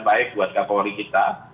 baik buat kapolri kita